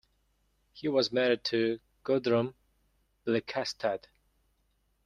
He was married to Gudrun Blekastad.